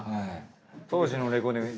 当時のレコーディング